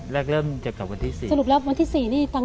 แรกเริ่มจะกลับวันที่สามเมษจะกลับวันที่สี่ใช่ไหมคะ